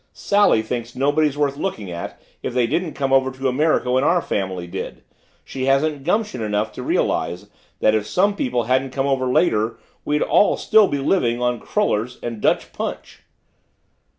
Sally thinks nobody's worth looking at if they didn't come over to America when our family did she hasn't gumption enough to realize that if some people hadn't come over later, we'd all still be living on crullers and Dutch punch!"